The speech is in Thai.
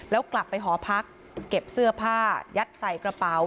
แล้วกลับไปหอพักเก็บเสื้อผ้ายัดใส่กระเป๋า